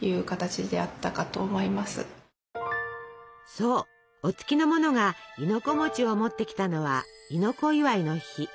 そうお付きの者が亥の子を持ってきたのは「亥の子祝い」の日。